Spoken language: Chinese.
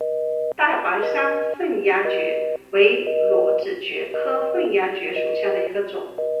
太白山凤丫蕨为裸子蕨科凤丫蕨属下的一个种。